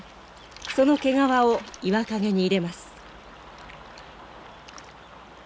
その毛皮を岩陰に入れます。